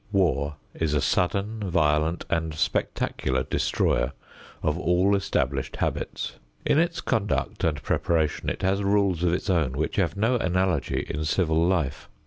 War is a sudden, violent and spectacular destroyer of all established habits. In its conduct and preparation it has rules of its own which have no analogy in civil life.